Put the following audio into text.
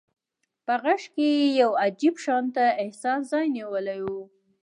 په غږ کې يې يو عجيب شانته احساس ځای نيولی و.